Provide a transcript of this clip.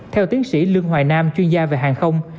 theo tiến sĩ lương hoài nam chuyên gia về hàng không